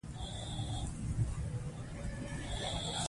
خپلې هڅې وکړئ.